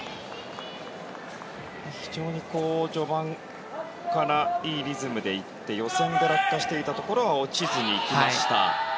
非常に序盤からいいリズムで行って予選で落下していたところは落ちずに行きました。